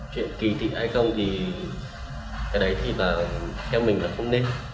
chuyện kỳ thị hay không thì cái đấy thì là theo mình là không nên